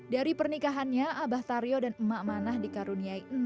dari pernikahannya abah taryo dan emak manah dikaruniai enam orang anak